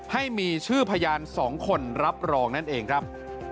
ให้มีชื่อพยาน๒คนรับรองนั่นเองครับ